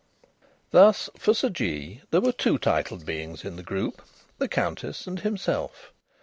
Thus for Sir Jee there were two titled beings in the group the Countess and himself.